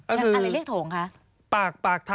อะไรเรียกโถงคะ